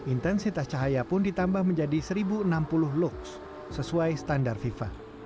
intensitas cahaya pun ditambah menjadi satu enam puluh lux sesuai standar fifa